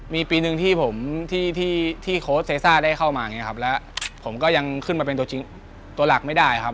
มีปีหนึ่งที่ผมที่ที่โค้ชเซซ่าได้เข้ามาอย่างนี้ครับแล้วผมก็ยังขึ้นมาเป็นตัวจริงตัวหลักไม่ได้ครับ